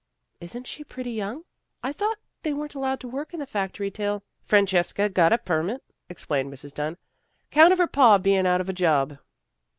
" Isn't she pretty young? I thought they weren't allowed to work in the factory till " Francesca got a permit," explained Mrs. Dunn, " 'count of her pa being out of a job."